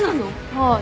はい。